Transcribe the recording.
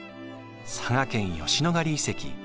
佐賀県吉野ヶ里遺跡。